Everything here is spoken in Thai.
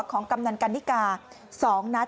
กำนันกันนิกา๒นัด